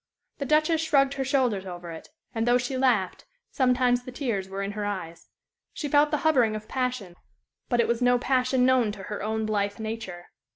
The Duchess shrugged her shoulders over it, and, though she laughed, sometimes the tears were in her eyes. She felt the hovering of passion, but it was no passion known to her own blithe nature.